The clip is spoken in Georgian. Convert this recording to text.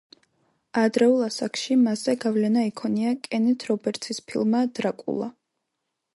ადრეულ ასაკში მასზე გავლენა იქონია კენეთ რობერტსის ფილმმა „დრაკულა“.